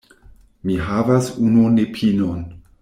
Mi havas unu nepinon.